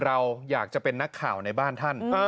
เราอยากจะเป็นนักข่าวในบ้านท่าน